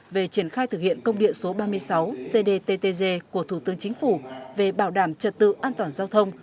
về triển khai thực hiện công điện số ba mươi sáu cdttg của thủ tướng chính phủ về bảo đảm trật tự an toàn giao thông